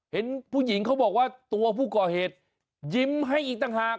เห็นผู้หญิงเขาบอกว่าตัวผู้ก่อเหตุยิ้มให้อีกต่างหาก